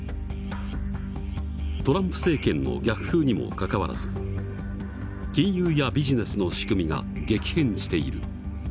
トランプ政権の逆風にもかかわらず金融やビジネスの仕組みが激変している。